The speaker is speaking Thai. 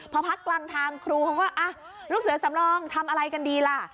พอพักกลางทางครูเขาก็ลูกเสือสำรองทำอะไรกันดีล่ะ